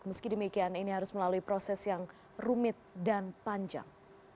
meski demikian ini harus melalui proses yang rumit dan panjang